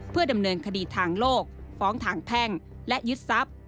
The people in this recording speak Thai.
เพื่อดำเนินคดีทางโลกฟ้องทางแพ่งและยึดทรัพย์